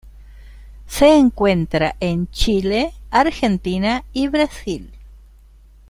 Se encuentra en Chile, Argentina y Brasil.